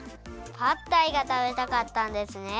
パッタイがたべたかったんですね。